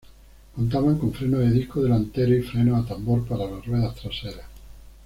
Contaban con freno de disco delantero y frenos a tambor para las ruedas traseras.